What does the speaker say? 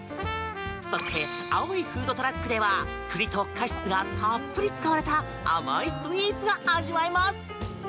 そして、青いフードトラックでは栗とカシスがたっぷり使われた甘いスイーツが味わえます。